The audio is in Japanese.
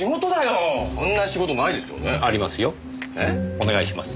お願いします。